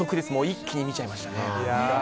一気に見ちゃいましたね。